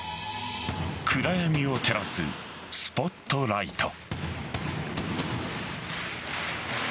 暗闇を照らすスポットライト。